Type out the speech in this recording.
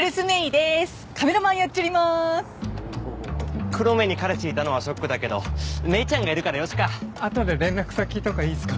でーすカメラマンやっちょりまーす黒目に彼氏いたのはショックだけど芽衣ちゃんがいるからよしかあとで連絡先とかいいっすか？